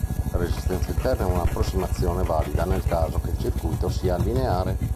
La resistenza interna è una approssimazione valida nel caso che il circuito sia lineare.